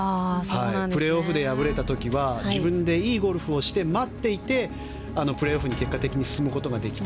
プレーオフで敗れた時は自分でいいゴルフをして待っていてあのプレーオフに結果的に進むことができた。